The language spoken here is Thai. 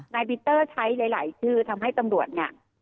ปีเตอร์ใช้หลายชื่อทำให้ตำรวจเนี่ย